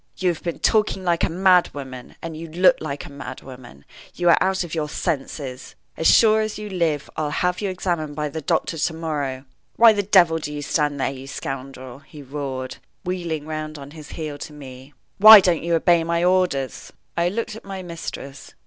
"You have been talking like a mad woman, and you look like a mad woman. You are out of your senses. As sure as you live, I'll have you examined by the doctors to morrow. Why the devil do you stand there, you scoundrel?" he roared, wheeling round on his heel to me. "Why don't you obey my orders?" I looked at my mistress.